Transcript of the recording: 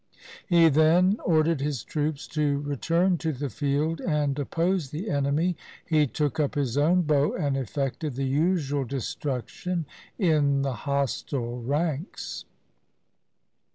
He then ordered his troops to return to the field and oppose the enemy. He took up his own bow and effected the usual destruction in the hostile ranks.